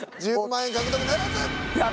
１５万円獲得ならず。